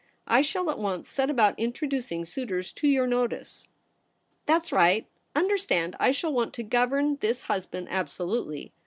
I shall at once set about introducing suitors to your notice.' ' That's right. Understand, I shall want to govern this husband absolutely.